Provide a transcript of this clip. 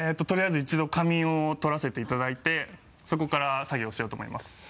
とりあえず一度仮眠を取らせていただいてそこから作業しようと思います。